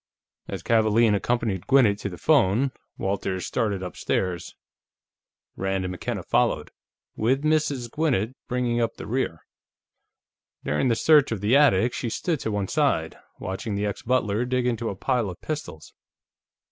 As Kavaalen accompanied Gwinnett to the phone, Walters started upstairs. Rand and McKenna followed, with Mrs. Gwinnett bringing up the rear. During the search of the attic, she stood to one side, watching the ex butler dig into a pile of pistols.